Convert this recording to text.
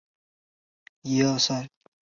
中共第十九届中央纪律检查委员会委员。